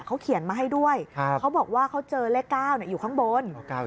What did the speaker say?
เขาเขียนมาให้ด้วยเขาบอกว่าเขาเจอเลข๙อยู่ข้างบน